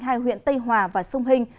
hai huyện tây hòa và xuân hình